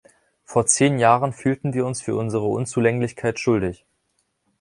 Vor zehn Jahren fühlten wir uns für unsere Unzulänglichkeit schuldig.